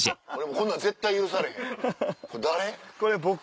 こんなん絶対許されへんこれ誰？